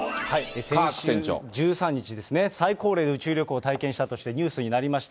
先週１３日ですね、最高齢で宇宙旅行を体験したとして、ニュースになりました。